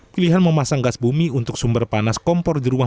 pilihan memasang gas bumi untuk sumber panas kompor di rumah